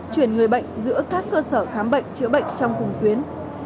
chuyển người bệnh giữa sát cơ sở khám bệnh chữa bệnh trong cùng tuyến